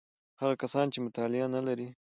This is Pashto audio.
هغه کسان چې مطالعه نلري: